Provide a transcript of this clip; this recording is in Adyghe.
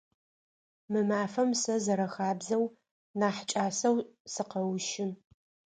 Мы мафэм сэ, зэрэхабзэу, нахь кӏасэу сыкъэущы.